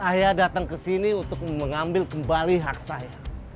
ayah datang ke sini untuk mengambil kembali hak saya